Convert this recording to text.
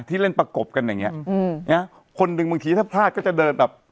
เล่นประกบกันอย่างเงี้อืมเนี้ยคนหนึ่งบางทีถ้าพลาดก็จะเดินแบบ